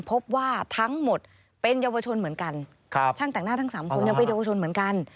พบว่าทั้งหมดเป็นเยาวชนเหมือนกัน